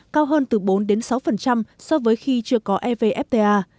cao hơn từ bốn sáu so với khi chưa có evfta